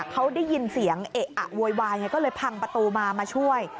เขาได้ยินเสียงเอะอะโวยวายไงก็เลยพังประตูมามาช่วย